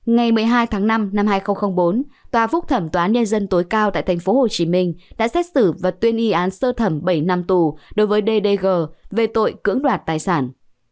ngày một mươi hai tháng năm năm hai nghìn bốn tòa phúc thẩm tòa án nhân dân tối cao tại tp hcm đã xét xử và tuyên y án sơ thẩm bảy năm tù đối với ddg về tội cưỡng đoạt tài sản